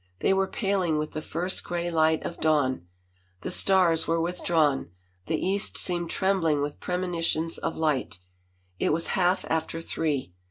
They were paling with the first gray light of dawn: the stars were withdrawn, the east seemed trembling with premonitions of light. It was half after three.